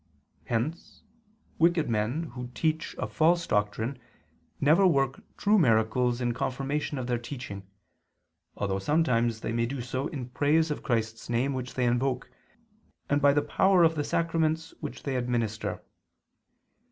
Hence wicked men who teach a false doctrine never work true miracles in confirmation of their teaching, although sometimes they may do so in praise of Christ's name which they invoke, and by the power of the sacraments which they administer.